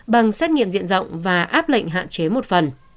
bằng xét nghiệm diện rộng và áp lệnh hạn chế một phần